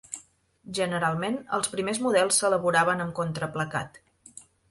Generalment, els primers models s'elaboraven amb contraplacat.